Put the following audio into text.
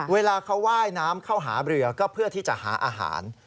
เวลาเขาว่ายน้ำเข้าหาเรือก็เพื่อที่จะหาอาหาร